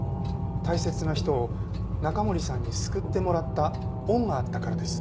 大切な人を中森さんに救ってもらった恩があったからです。